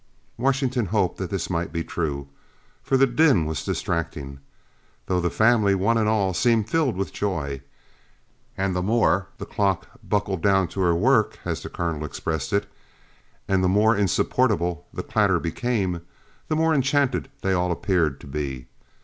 Washington hoped that this might be true, for the din was distracting though the family, one and all, seemed filled with joy; and the more the clock "buckled down to her work" as the Colonel expressed it, and the more insupportable the clatter became, the more enchanted they all appeared to be.